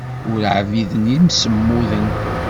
Ur ɛbiden imsemmuden.